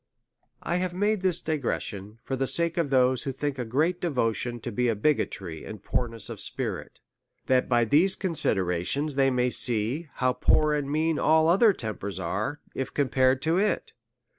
1 have made this digression, for the sake of those, who think a great devotion to be bigotry and poorness of spirit ; that by these considerations they may see, how poor and mean all other tempers are, if compared to it.